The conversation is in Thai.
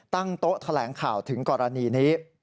ตั้งโต๊ะแถลงข่าวถึงกรณีนี้